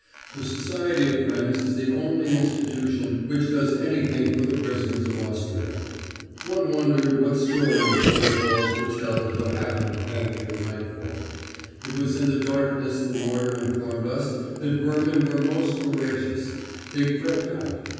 The Society of Friends is the only institution which does anything for the prisons of Austria. One wondered what stories those walls could tell of what happened after nightfall. It was in the darkness the warder informed us that vermin were most voracious—they crept out.